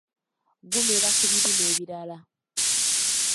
Gumera ku birime ebirala.